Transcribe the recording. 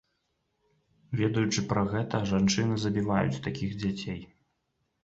Ведаючы пра гэта, жанчыны забіваюць такіх дзяцей.